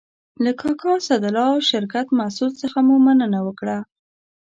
له کاکا اسدالله او شرکت مسئول څخه مو مننه وکړه.